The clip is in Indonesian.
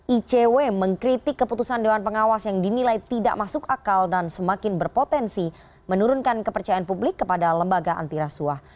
icw mengkritik keputusan dewan pengawas yang dinilai tidak masuk akal dan semakin berpotensi menurunkan kepercayaan publik kepada lembaga antirasuah